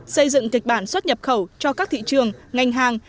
xây dựng kịch bản xuất nhập khẩu cho các thị trường ngành hàng